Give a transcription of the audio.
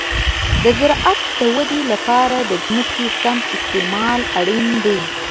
د زراعت د ودې لپاره د ځمکې سم استعمال اړین دی.